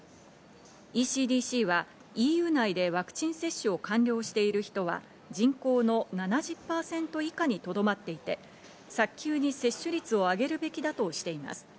ＥＣＤＣはＥＵ内でワクチン接種を完了している人は人口の７０％以下にとどまっていて、早急に接種率を上げるべきだとしています。